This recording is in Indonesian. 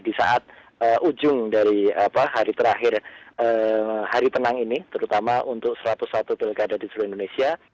di saat ujung dari hari terakhir hari tenang ini terutama untuk satu ratus satu pilkada di seluruh indonesia